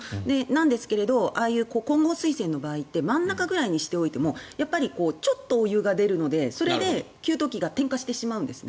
なんですけれど混合水栓の場合って真ん中ぐらいにしていてもやっぱりちょっとお湯が出るのでそれで給湯器が点火してしまうんです。